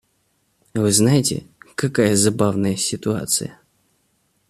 Вы знаете, какая забавная ситуация.